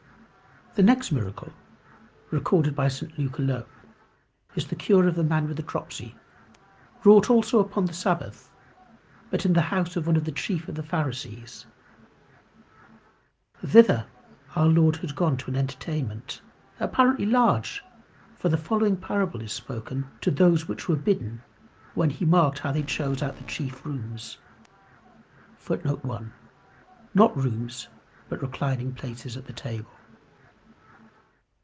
The next miracle recorded by St Luke alone is the cure of the man with the dropsy, wrought also upon the Sabbath, but in the house of one of the chief of the Pharisees. Thither our Lord had gone to an entertainment, apparently large, for the following parable is spoken "to those which were bidden, when he marked how they chose out the chief rooms." [Footnote: 1. Not rooms, but reclining places at the table.